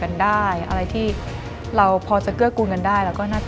รายการต่อไปนี้เหมาะสำหรับผู้ชมที่มีอายุ๑๓ปีควรได้รับคำแนะนำ